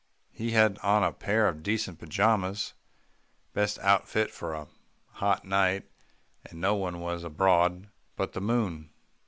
He had on a pair of decent pajamas best outfit for a hot night, and no one was abroad but the moon.